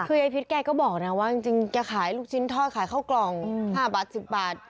คือยายพิษแกก็บอกนะว่าจริงแกขายลูกชิ้นทอดขายข้าวกล่อง๕บาท๑๐บาท